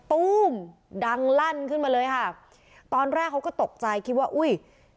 ตู้มดังลั่นขึ้นมาเลยค่ะตอนแรกเขาก็ตกใจคิดว่าอุ้ย